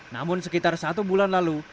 namun sekitar satu bulan lalu